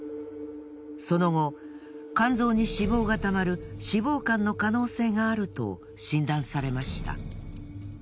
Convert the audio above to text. その後肝臓に脂肪がたまる脂肪肝の可能性があると診断されました。